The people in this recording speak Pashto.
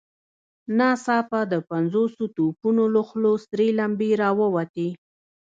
ناڅاپه د پنځوسو توپونو له خولو سرې لمبې را ووتې.